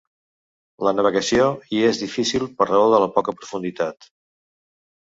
La navegació hi és difícil per raó de la poca profunditat.